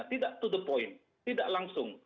tidak to the point tidak langsung